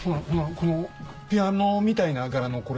このピアノみたいな柄のこれは？